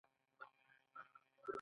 آیا د کاناډا په شمال کې ښکار عام نه و؟